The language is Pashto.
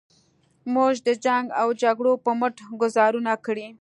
موږ د جنګ و جګړو په مټ ګوزارونه کړي.